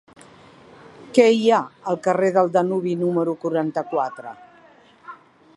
Què hi ha al carrer del Danubi número quaranta-quatre?